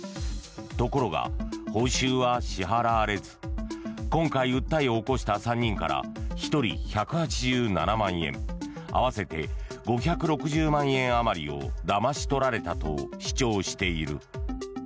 ところが、報酬は支払われず今回、訴えを起こした３人から１人１８７万円合わせて５６０万円あまりをだまし取られたと主張している。